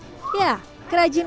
ya kerajinan ini sangat penting